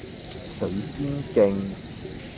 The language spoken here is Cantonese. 水仙徑